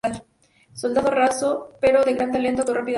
Soldado raso, pero de gran talento, actuó rápidamente.